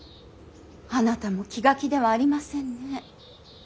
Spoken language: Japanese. あなたも気が気ではありませんね